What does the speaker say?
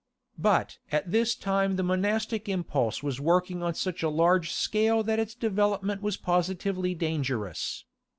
But at this time the monastic impulse was working on such a large scale that its development was positively dangerous.